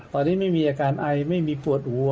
ตอนนี้ไม่มีอาการไอไม่มีปวดหัว